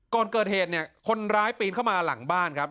ก่อนเกิดเหตุเนี่ยคนร้ายปีนเข้ามาหลังบ้านครับ